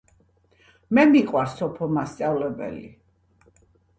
მე მიყვარს სოფო მასწავლებელი